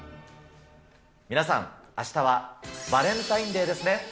皆さん、あしたはバレンタインデーですね。